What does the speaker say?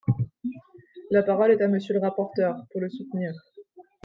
La parole est à Monsieur le rapporteur, pour le soutenir.